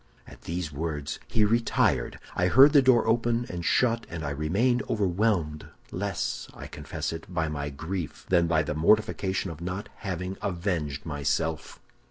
"At these words he retired. I heard the door open and shut, and I remained overwhelmed, less, I confess it, by my grief than by the mortification of not having avenged myself.